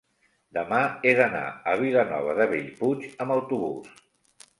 demà he d'anar a Vilanova de Bellpuig amb autobús.